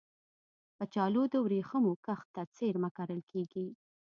کچالو د ورېښمو کښت ته څېرمه کرل کېږي